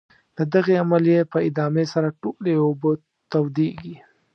د دغې عملیې په ادامې سره ټولې اوبه تودیږي.